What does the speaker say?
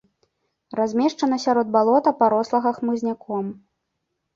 Размешчана сярод балота, парослага хмызняком.